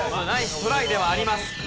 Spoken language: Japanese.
ナイストライではあります。